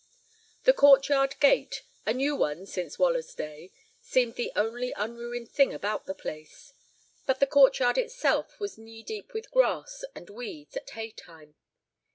The court yard gate, a new one since Waller's day, seemed the only unruined thing about the place; but the court yard itself was knee deep with grass and weeds at hay time.